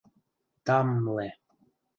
Там-мле.